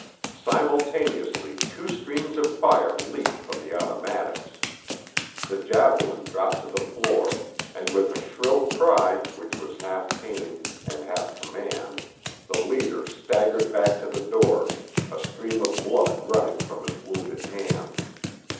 Simultaneously two streams of fire leaped from the automatics. The javelin dropped to the floor, and with a shrill cry which was half pain and half command the leader staggered back to the door, a stream of blood running from his wounded hand.